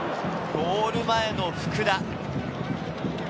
ゴール前の福田。